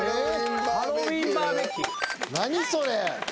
何それ。